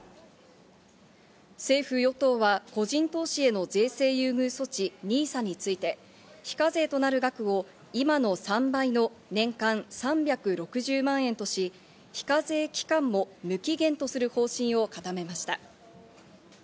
政府・与党は個人投資への税制優遇措置ＮＩＳＡについて、非課税となる額を今の３倍の年間３６０万円とし、非課税期間も無期限とする方針を固めました。